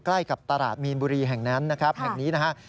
ใกล้กับตลาดมีนบุรีแห่งนั้นนะครับแห่งนี้นะฮะ